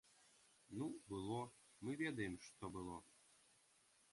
Ну, было, мы ведаем, што было.